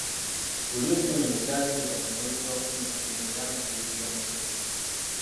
Luli enseenene zaali zigwa mu mwezi gwa kkumi na gumu era nga guyitibwa Museenene.